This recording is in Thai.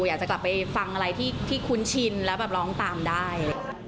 อยากจะกลับไปฟังอะไรที่คุ้นชินแล้วแบบร้องตามได้